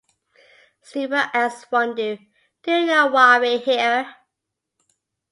Snooper asks Fondoo, Do you know why we're here?